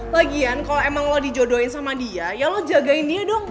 lagian kalau emang lo dijodohin sama dia ya lo jagain dia dong